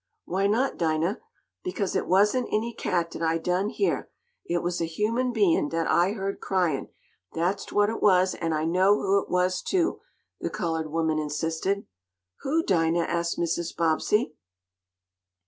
"Why not, Dinah?" "Because it wasn't any cat dat I done heah. It was a human bein' dat I heard cryin', dat's what it was, an' I know who it was, too," the colored woman insisted. "Who, Dinah?" asked Mrs. Bobbsey.